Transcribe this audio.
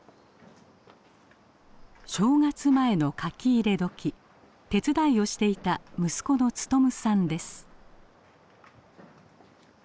正月前の書き入れ時手伝いをしていた息子の勤さんです。